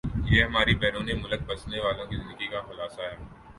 یہی ہماری بیرون ملک بسنے والوں کی زندگی کا خلاصہ ہے